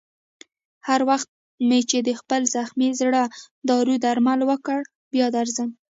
هر وخت مې چې د خپل زخمي زړه دارو درمل وکړ، بیا درځم.